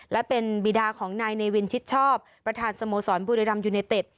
และเป็นบีดาของนายเนวินชิดชอบประธานสโมสรบุรีรัมยูเนเต็ด